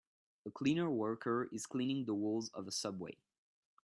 A cleaner worker is cleaning the walls of a subway